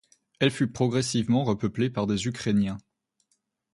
Elle fut progressivement repeuplée par des Ukrainiens.